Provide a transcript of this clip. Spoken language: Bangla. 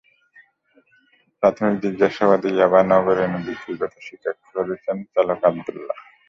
প্রাথমিক জিজ্ঞাসাবাদে ইয়াবা নগরে এনে বিক্রির কথা স্বীকার করেছেন চালক আবদুল্লাহ।